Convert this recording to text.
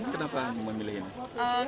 kenapa memilih ini